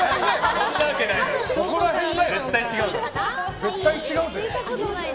絶対違うよ。